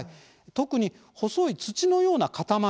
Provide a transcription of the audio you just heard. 特に細い土のような塊。